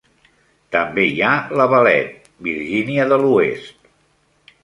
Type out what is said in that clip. També hi ha Lavalette, Virgínia de l'Oest.